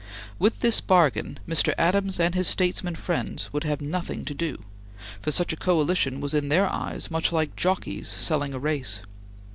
With this bargain Mr. Adams and his statesman friends would have nothing to do, for such a coalition was in their eyes much like jockeys selling a race.